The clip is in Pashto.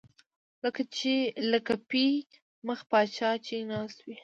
لکه پۍ مخی پاچا چې ناست وي